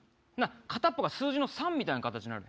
片っぽが数字の３みたいな形になるやろ。